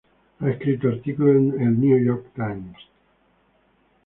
Ha escrito artículos en el "New York Times".